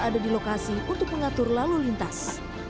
ada di lokasi untuk mengatur lalu lintas